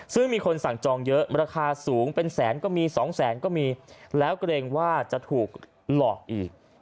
ซึ่งมีคนสั่งจองเยอะราคาสูงเป็นแสนก็มีสองแสนก็มีแล้วเกรงว่าจะถูกหลอกอีก